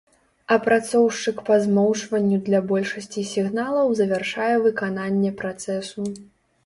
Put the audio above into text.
Апрацоўшчык па змоўчванню для большасці сігналаў завяршае выкананне працэсу.